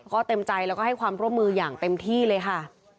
ก็เต็มใจแล้วก็ให้ความร่วมมืออย่างเต็มที่เลยค่ะ